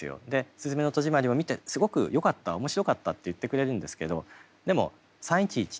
「すずめの戸締まり」を見てすごくよかった面白かったって言ってくれるんですけどでも３．１１ってピンと来ないんですよね。